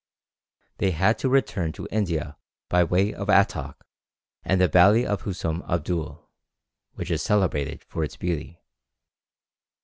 They had to return to India by way of Attock and the valley of Hussoun Abdoul, which is celebrated for its beauty.